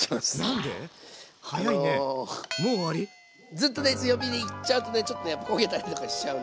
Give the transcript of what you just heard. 沸騰したらずっとね強火でいっちゃうとちょっとやっぱ焦げたりとかしちゃうんで。